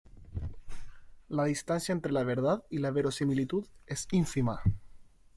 La distancia entre la verdad y la verosimilitud es ínfima.